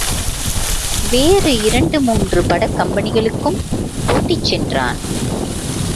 வேறு இரண்டு மூன்று படக் கம்பெனிகளுக்கும் கூட்டிச் சென்றான்.